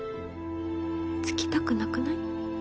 つきたくなくない？